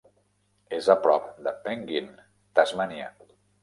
És a prop de Penguin, Tasmània.